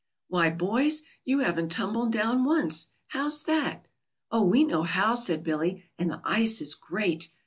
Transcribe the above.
"Why, boys, you haven't tumbled down once. How's that?" "Oh, we know how," said Billy; "and the ice is great.